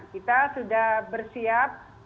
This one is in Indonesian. kita sudah bersiap